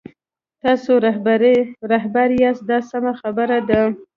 تاسو رهبر یاست دا سمه خبره ده.